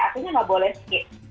artinya nggak boleh sedikit